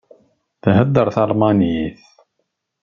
Theddeṛ talmanit.